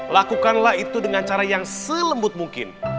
lakukanlah itu dengan cara yang selembut mungkin